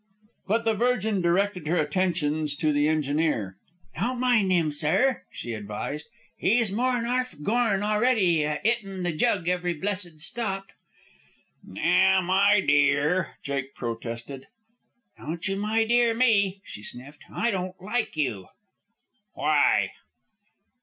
But the Virgin directed her attentions to the engineer. "Don't mind 'im, sir," she advised. "'E's more'n arf gorn a'ready, a 'itting the jug every blessed stop." "Now, my dear " Jake protested. "Don't you my dear me," she sniffed. "I don't like you." "Why?"